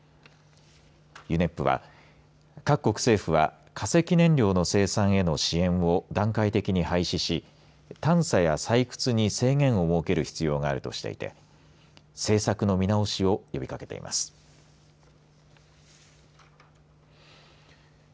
ＵＮＥＰは、各国政府は化石燃料の生産への支援を段階的に廃止し探査や採掘に制限を設ける必要があるとしていて政策の見直しを呼びかけています。